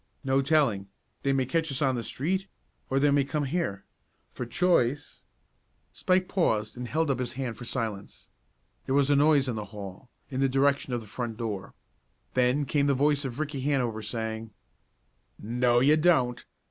"No telling. They may catch us on the street, or they may come here. For choice " Spike paused and held up his hand for silence. There was a noise in the hall, in the direction of the front door. Then came the voice of Ricky Hanover saying: "No, you don't!